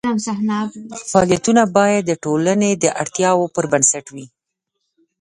فعالیتونه باید د ټولنې د اړتیاوو پر بنسټ وي.